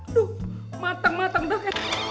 aduh matang matang dah